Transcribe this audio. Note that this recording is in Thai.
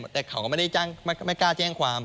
แต่เขาก็ไม่ได้กล้าแจ้งความ